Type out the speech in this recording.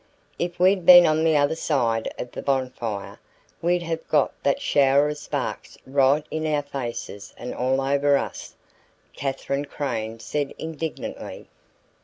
"If we'd been on the other side of the bonfire, we'd have got that shower of sparks right in our faces and all over us," Katherine Crane said indignantly.